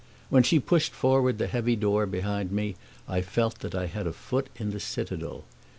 When she pushed forward the heavy door behind me I felt that I had a foot in the citadel.